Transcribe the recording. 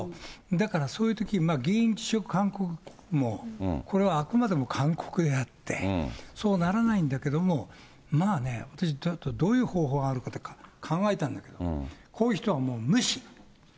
だからそういうとき、議員辞職勧告も、これはあくまでも勧告であって、そうならないんだけれども、まあね、私、どういう方法があるかと考えたんだけど、こういう人はもう無視。